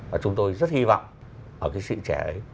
và chúng tôi rất hy vọng ở cái sự trẻ ấy